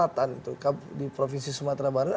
acara yang membuat kita marah